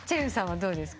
どうですか？